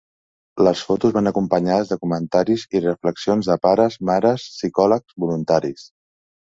Les fotos van acompanyades de comentaris i reflexions de pares, mares, psicòlegs, voluntaris.